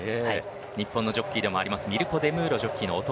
日本のジョッキーでもあるミルコ・デムーロジョッキーの弟